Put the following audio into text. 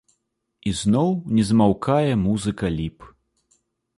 І зноў не змаўкае музыка ліп.